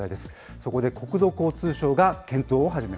そこで国土交通省が検討を始め